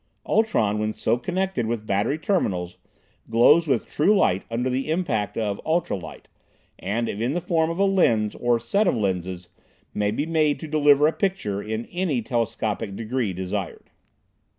Ultron, when so connected with battery terminals, glows with true light under the impact of ultralight, and if in the form of a lens or set of lenses, may be made to deliver a picture in any telescopic degree desired.